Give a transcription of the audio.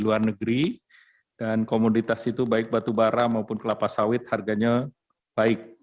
di luar negeri dan komoditas itu baik batu bara maupun kelapa sawit harganya baik